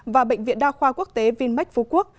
và bệnh viện đa khoa quốc tế vinmec phú quốc